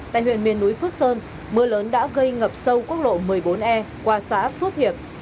tại huyện miền núi phước sơn mưa lớn đã gây ngập sâu quốc lộ một mươi bốn e qua xã phước hiệp